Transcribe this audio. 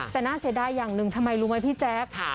แต่น่าเสียดายอย่างหนึ่งทำไมรู้ไหมพี่แจ๊ค